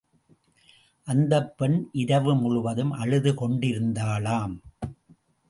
அந்தப்பெண் இரவு முழுவதும் அழுது கொண்டிருந்தாளாம்.